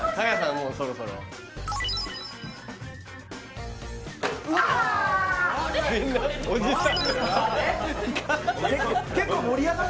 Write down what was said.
もうそろそろあっ